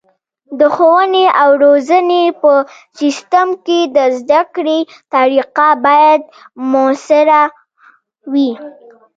د ښوونې او روزنې په سیستم کې د زده کړې طریقه باید مؤثره وي.